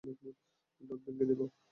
দাঁত ভেঙে দেব।